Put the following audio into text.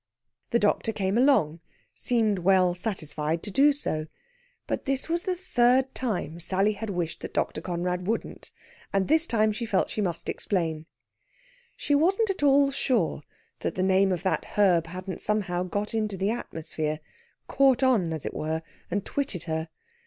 The doctor came along seemed well satisfied to do so. But this was the third time Sally had wished that Dr. Conrad wouldn't, and this time she felt she must explain. She wasn't at all sure that the name of that herb hadn't somehow got into the atmosphere caught on, as it were, and twitted her.